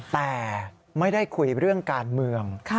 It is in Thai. แต่ไม่ได้คุยเรื่องการเมือง